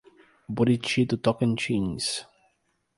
Buriti do Tocantins